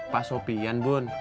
pak sopian bun